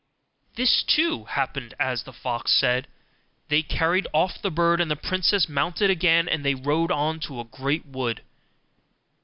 This, too, happened as the fox said; they carried off the bird, the princess mounted again, and they rode on to a great wood.